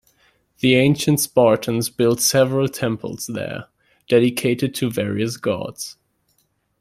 The ancient Spartans built several temples there, dedicated to various gods.